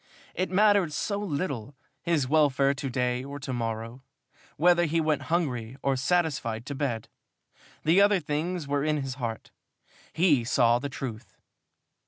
It mattered so little, his welfare of to day or to morrow whether he went hungry or satisfied to bed! The other things were in his heart. He saw the truth.